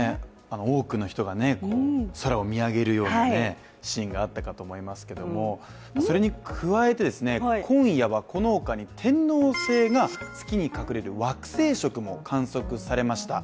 多くの人が空を見上げるようなシーンがあったかと思いますけれどもそれに加えて今夜はこのほかに天王星が月に隠れる惑星食も観測されました。